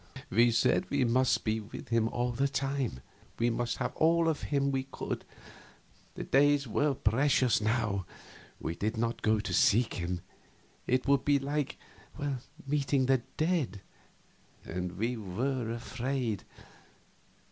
We said we must be with him all the time; we must have all of him we could; the days were precious now. Yet we did not go to seek him. It would be like meeting the dead, and we were afraid.